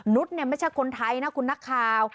นุษย์เนี่ยไม่ใช่คนไทยนะคุณนักข่าว